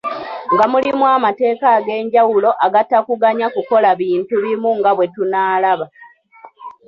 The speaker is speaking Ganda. Nga mulimu amateeka ag'enjawulo agatakuganya kukola bintu bimu nga bwe tunaalaba.